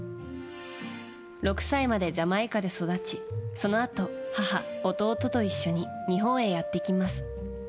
６歳までジャマイカで育ちそのあと母、弟と一緒に日本へやってきます。